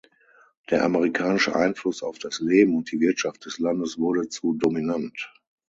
Der amerikanische Einfluss auf das Leben und die Wirtschaft des Landes wurde zu dominant.